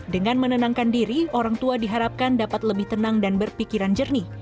dengan menenangkan diri orang tua diharapkan dapat lebih tenang dan berpikiran jernih